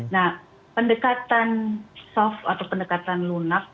nah pendekatan soft atau pendekatan lunak